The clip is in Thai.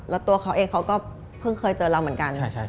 แล้วตัวเขาเองเขาก็เพิ่งเคยเจอเราเหมือนกัน